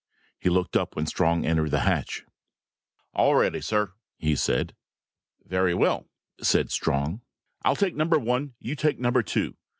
He looked up when Strong entered the hatch. "All ready, sir," he said. "Very well," said Strong. "I'll take number one, you take number two.